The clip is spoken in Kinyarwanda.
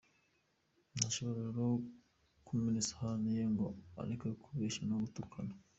Ntashobora rero kumena isahani ye ngo areke kubeshya no gutukana.